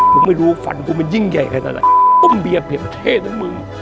กูไม่รู้ฝันกูมันยิ่งใหญ่เท่าไหร่เบียร์เปลี่ยนเท่นะมึง